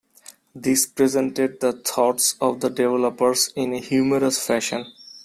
These presented the thoughts of the developers in a humorous fashion.